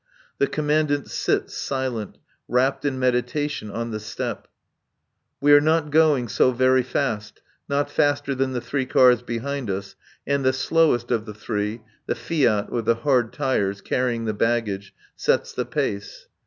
The Commandant sits, silent, wrapped in meditation, on the step. We are not going so very fast, not faster than the three cars behind us, and the slowest of the three (the Fiat with the hard tyres, carrying the baggage) sets the pace.